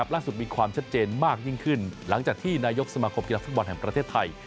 มีความชัดเจนมากยิ่งขึ้นหลังจากที่นายกสมาคมกีฬาฟุตบอลแห่งประเทศไทย